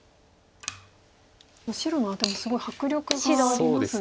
白のアテもすごい迫力がありますね。